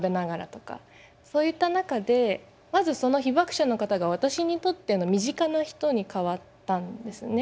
そういった中でまずその被爆者の方が私にとっての身近な人に変わったんですね。